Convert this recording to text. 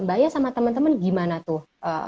mba ayah sama temen temen gimana tuh